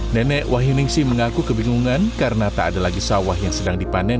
nenek wahyu ningsi mengaku kebingungan karena tak ada lagi sawah yang sedang dipanen